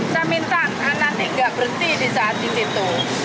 saya minta anak anak tidak berhenti di saat itu